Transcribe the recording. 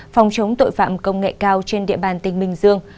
phòng chống tội phạm công nghệ cao trên địa bàn tỉnh bình dương